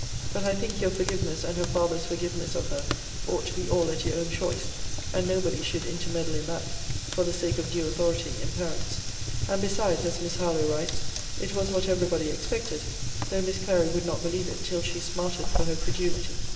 But I think your forgiveness and her father's forgiveness of her ought to be all at your own choice; and nobody should intermeddle in that, for the sake of due authority in parents: and besides, as Miss Harlowe writes, it was what every body expected, though Miss Clary would not believe it till she smarted for her credulity.